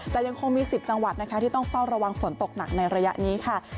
แต่ยังคงมี๑๐จังหวัดนะคะที่ต้องเฝ้าระวังฝนตกหนักในระยะนี้ค่ะ